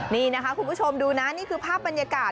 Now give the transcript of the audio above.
นี่นะคะคุณผู้ชมดูนะนี่คือภาพบรรยากาศ